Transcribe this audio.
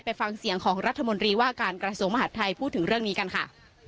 ฟังเสียงของรัฐมนตรีว่าการกระทรวงมหาดไทยพูดถึงเรื่องนี้กันค่ะ